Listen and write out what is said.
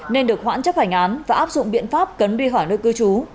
nên được hoãn chấp hành án và áp dụng biện pháp cấn đi hỏi nơi cư trú